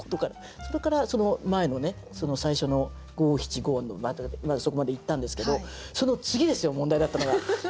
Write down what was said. それから前のね最初の五七五まずそこまでいったんですけどその次ですよ問題だったのが。